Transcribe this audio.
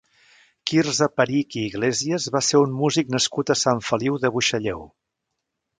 Quirze Perich i Iglésias va ser un músic nascut a Sant Feliu de Buixalleu.